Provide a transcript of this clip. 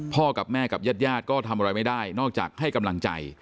กับแม่กับญาติญาติก็ทำอะไรไม่ได้นอกจากให้กำลังใจ